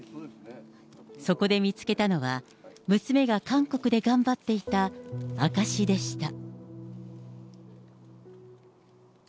そこで見つけたのは、娘が韓国で頑張っていた証しでした。